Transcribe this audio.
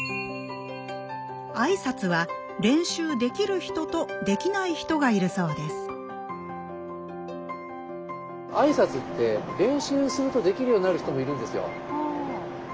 あいさつは練習できる人とできない人がいるそうですあいさつって練習するとできるようになる人もいるんですよ。